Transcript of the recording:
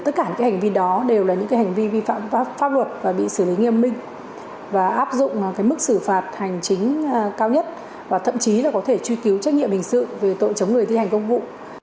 tất cả hành vi đó đều là những hành vi vi phạm pháp luật và bị xử lý nghiêm minh và áp dụng mức xử phạt hành chính cao nhất và thậm chí là có thể truy cứu trách nhiệm hình sự về tội chống người thi hành công vụ